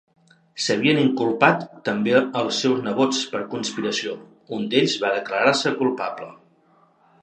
S'havien inculpat també als seus nebots per conspiració, un d'ells va declarar-se culpable.